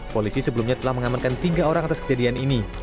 polisi sebelumnya telah mengamankan tiga orang atas kejadian ini